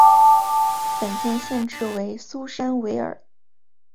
本县县治为苏珊维尔。